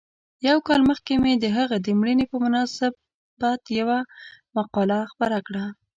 یو کال مخکې مې د هغه د مړینې په مناسبت یوه مقاله خپره کړه.